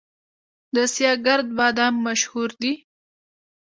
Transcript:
د سیاه ګرد بادام مشهور دي